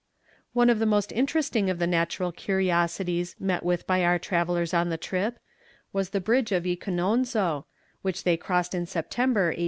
One of the most interesting of the natural curiosities met with by our travellers on the trip, was the bridge of Jcononzo, which they crossed in September, 1801.